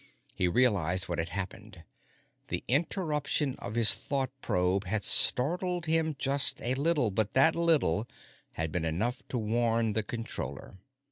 He realized what had happened. The interruption of his thought probe had startled him just a little, but that little had been enough to warn the Controller.